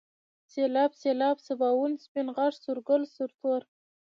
سيلاب ، سيلان ، سباوون ، سپين غر ، سورگل ، سرتور